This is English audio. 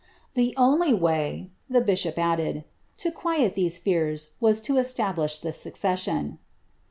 ^^The only way,' the bishop added, ^to quiet these fears, was to establish the succession.'